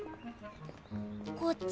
こっち？